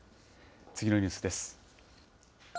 次のニュースです。